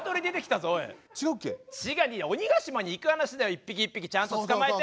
鬼ヶ島に行く話だよ一匹一匹ちゃんと捕まえて。